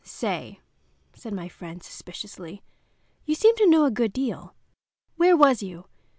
"Say," said my friend, suspiciously, "you seem to know a good deal. Where was you?